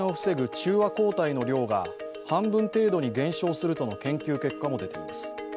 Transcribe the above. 中和抗体の量が半分程度に減少するとの検証結果も出ています。